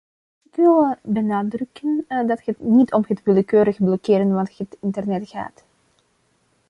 Ik wil benadrukken dat het niet om het willekeurig blokkeren van het internet gaat.